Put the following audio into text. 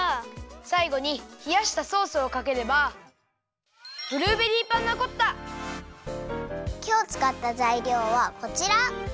さいごにひやしたソースをかければきょうつかったざいりょうはこちら。